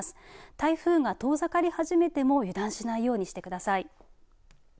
台風が遠ざかり始めても油断しないようにしてください。